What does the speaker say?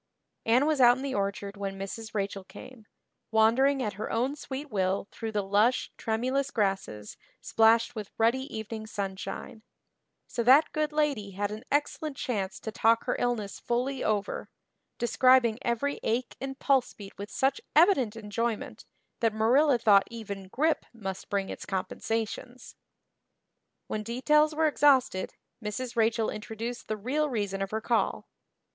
Anne was out in the orchard when Mrs. Rachel came, wandering at her own sweet will through the lush, tremulous grasses splashed with ruddy evening sunshine; so that good lady had an excellent chance to talk her illness fully over, describing every ache and pulse beat with such evident enjoyment that Marilla thought even grippe must bring its compensations. When details were exhausted Mrs. Rachel introduced the real reason of her call.